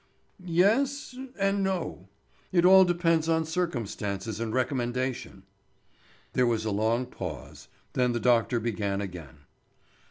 "Yes—and no. It all depends on circumstances and recommendation." There was a long pause; then the doctor began again.